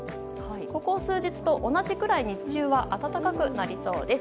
ここ数日と同じくらい日中は暖かくなりそうです。